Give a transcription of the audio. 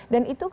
dan itu ketika